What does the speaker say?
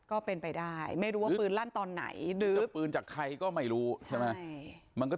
ตอนนี้กำลังจะโดดเนี่ยตอนนี้กำลังจะโดดเนี่ย